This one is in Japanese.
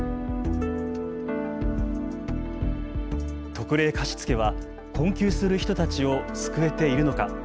特例貸付は困窮する人たちを救えているのか。